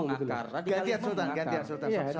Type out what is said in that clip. gantian sultan gantian sultan